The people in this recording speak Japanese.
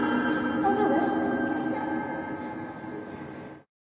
大丈夫？